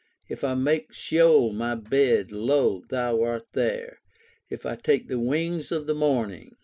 If I make Sheol my bed, lo — thou art there. If I take the wings of the morning.